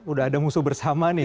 udah ada musuh bersama nih